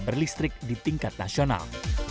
berlistrik di tingkat nasional